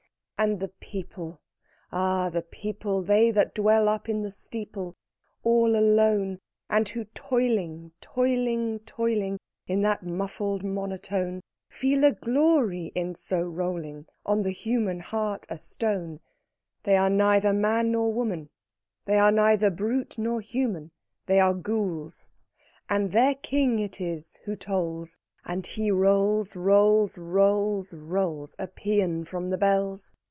And the people ah, the people They that dwell up in the steeple. All alone, And who tolling, tolling, tolling, In that muffled monotone, Feel a glory in so rolling On the human heart a stone They are neither man nor woman They are neither brute nor human They are Ghouls: And their king it is who tolls; And he rolls, rolls, rolls, Rolls A pæan from the bells!